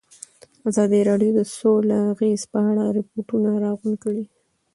ازادي راډیو د سوله د اغېزو په اړه ریپوټونه راغونډ کړي.